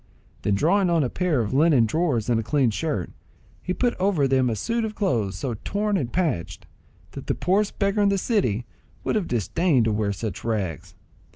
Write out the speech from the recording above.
Then drawing on a pair of linen drawers and a clean shirt, he put over them a suit of clothes so torn and patched, that the poorest beggar in the city would have disdained to wear such rags.